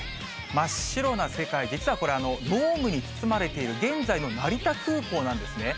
真っ白な世界、実はこれ、濃霧に包まれている現在の成田空港なんですね。